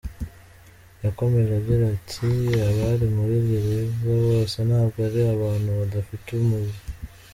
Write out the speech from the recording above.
Yakomeje agira ati “Abari muri gereza bose ntabwo ari abantu badafite umuze.